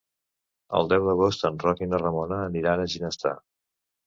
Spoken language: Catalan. El deu d'agost en Roc i na Ramona aniran a Ginestar.